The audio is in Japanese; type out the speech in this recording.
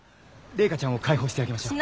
麗華ちゃんを解放してあげましょう。